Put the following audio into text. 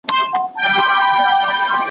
له جهانه پټي سترګي تر خپل ګوره پوري تللای ,